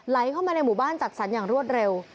เข้ามาในหมู่บ้านจัดสรรอย่างรวดเร็ว